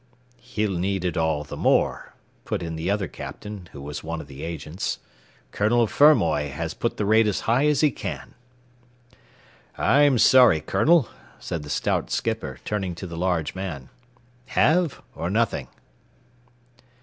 "He'll need it all the more," put in the other captain, who was one of the agents. "Colonel Fermoy has put the rate as high as he can." "I'm sorry, colonel," said the stout skipper, turning to the large man. "Halve or nothing."